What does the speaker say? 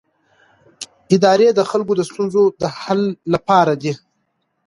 ادارې د خلکو د ستونزو د حل لپاره دي